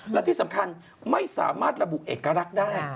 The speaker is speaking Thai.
และที่สำคัญไม่สามารถระบุเอกลักษณ์ได้